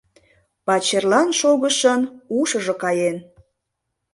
— Пачерлан шогышын ушыжо каен!